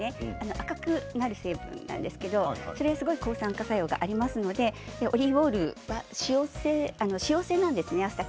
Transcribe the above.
赤くなる成分なんですけどそれがすごく抗酸化作用がありますのでオリーブオイルは脂溶性なんですね